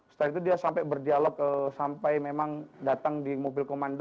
setelah itu dia sampai berdialog sampai memang datang di mobil komando